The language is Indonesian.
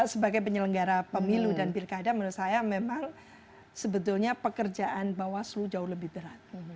sebagai penyelenggara pemilu dan pilkada menurut saya memang sebetulnya pekerjaan bawaslu jauh lebih berat